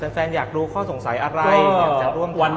แฟนอยากรู้ข้อสงสัยอะไรอยากจะร่วมวัน